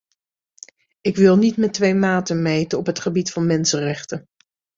Ik wil niet met twee maten meten op het gebied van mensenrechten.